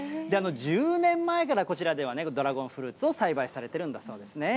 １０年前からこちらではね、ドラゴンフルーツを栽培されているんだそうですね。